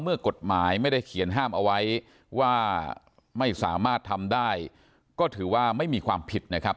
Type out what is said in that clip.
กฎหมายไม่ได้เขียนห้ามเอาไว้ว่าไม่สามารถทำได้ก็ถือว่าไม่มีความผิดนะครับ